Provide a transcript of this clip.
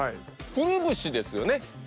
くるぶしですよね？